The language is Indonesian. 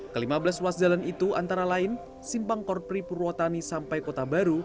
ke lima belas ruas jalan itu antara lain simpang korpri purwotani sampai kota baru